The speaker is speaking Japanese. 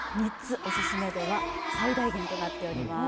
おすすめ度は最大限となっております。